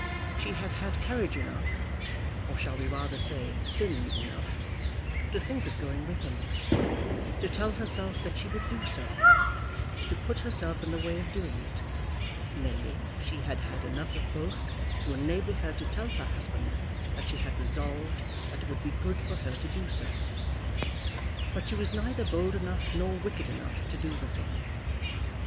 She had had courage enough, or shall we rather say sin enough, to think of going with him, to tell herself that she would do so; to put herself in the way of doing it; nay, she had had enough of both to enable her to tell her husband that she had resolved that it would be good for her to do so. But she was neither bold enough nor wicked enough to do the thing.